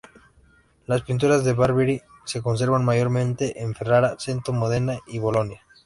Las pinturas de Barbieri se conservan mayormente en Ferrara, Cento, Modena y Bolonia.